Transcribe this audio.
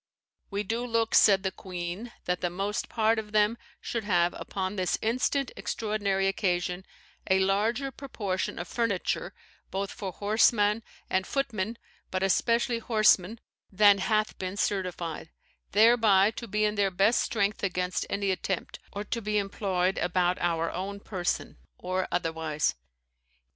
We do look," said the queen, "that the most part of them should have, upon this instant extraordinary occasion, a larger proportion of furniture, both for horseman and footmen, but especially horsemen, than hath been certified; thereby to be in their best strength against any attempt, or to be employed about our own person, or otherwise.